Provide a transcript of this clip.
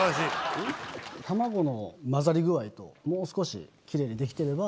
卵の混ざり具合ともう少しキレイに出来てれば。